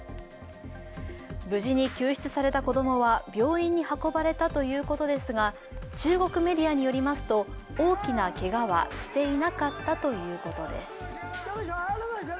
無事に救出された子供は病院に運ばれたということですが中国メディアによりますと、大きなけがはしていなかったということです。